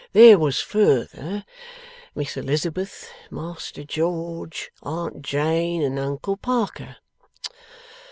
'There was, further, Miss Elizabeth, Master George, Aunt Jane, and Uncle Parker.